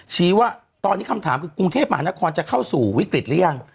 ชี้ว่าตอนนี้คำถามคือกรุงเทพมหานครจะเข้าสู่วิกฤตหรือยัง